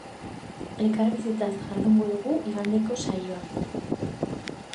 Elkarbizitzaz jardungo dugu igandeko saioan.